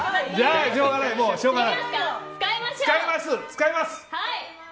使います！